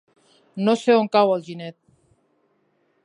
No sé on cau Alginet.